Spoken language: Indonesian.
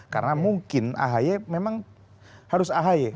karena mungkin ahy memang harus ahy